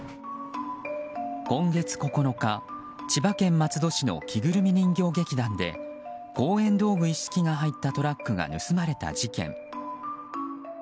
今月９日、千葉県松戸市の着ぐるみ人形劇団で公演道具一式が入ったトラックが盗まれた事件。